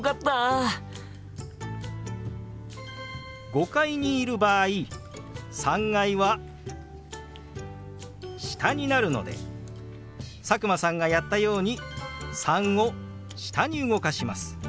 ５階にいる場合３階は下になるので佐久間さんがやったように「３」を下に動かします。